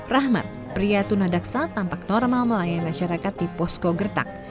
rahmat pria tunadaksa tampak normal melayani masyarakat di posko gertak